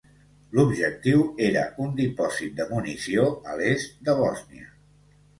L'objectiu era un dipòsit de munició a l'est de Bòsnia.